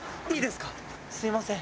すみません。